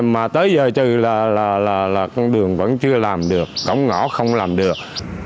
mà tới giờ trừ con đường vẫn chưa làm được cổng ngõ không làm được